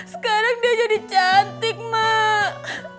sekarang dia jadi cantik mak